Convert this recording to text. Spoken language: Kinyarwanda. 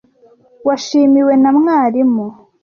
Washimiwe na mwarimu?